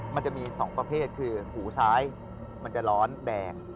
มันจะมี๒ประเภทคือหูซ้ายมันจะร้อนแดง